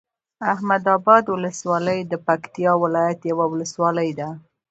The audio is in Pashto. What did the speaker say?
احمداباد ولسوالۍ د پکتيا ولايت یوه ولسوالی ده